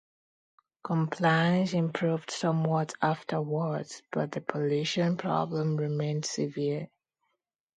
Compliance improved somewhat afterwards, but the pollution problem remained severe.